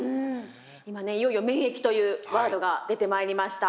今ねいよいよ免疫というワードが出てまいりました。